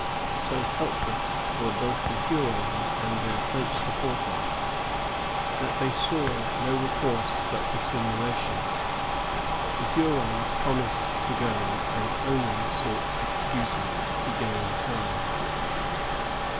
So helpless were both the Hurons and their French supporters, that they saw no recourse but dissimulation. The Hurons promised to gOy and only sought excuses to gain time.